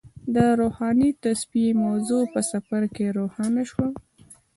د روحاني تصفیې موضوع په سفر کې روښانه شوه.